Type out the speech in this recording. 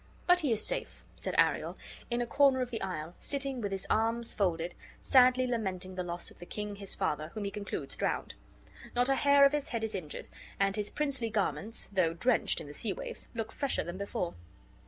"But he is safe," said Ariel, "in a corner of the isle, sitting with his arms folded, sadly lamenting the loss of the king, his father, whom he concludes drowned. Not a hair of his head is injured, and his princely garments, though drenched in the sea waves, look fresher than before."